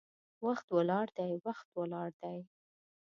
وخت ولاړ دی، وخت ولاړ دی